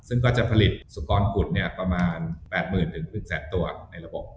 ซึ่งก็จะผลิตสุกรกุฎประมาณ๘๐๐๐๑๐๐๐ตัวในระบบ